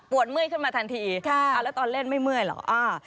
เมื่อยขึ้นมาทันทีแล้วตอนเล่นไม่เมื่อยเหรออ่า